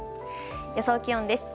予想気温です。